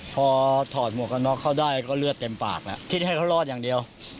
พอถอดหมวกกันน็อกเขาได้ก็เลือดเต็มปากแล้วคิดให้เขารอดอย่างเดียว